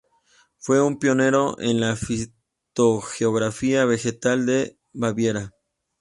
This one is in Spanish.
Fue un pionero de la fitogeografía vegetal de Baviera.